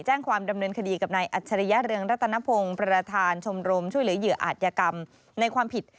แจ้งความดำเนินคดีกับนายอัจฉริยะเรืองรัตนพงศ์ประธานชมรมช่วยเหลือเหยื่ออาจยกรรมในความผิด